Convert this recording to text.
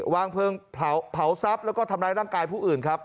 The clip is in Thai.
วางเพลิงเผาทรัพย์แล้วก็ทำร้ายร่างกายผู้อื่นครับ